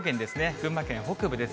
群馬県北部です。